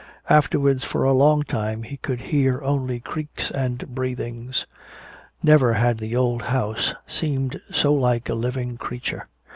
Afterwards for a long time he could hear only creaks and breathings. Never had the old house seemed so like a living creature.